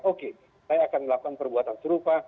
oke saya akan melakukan perbuatan serupa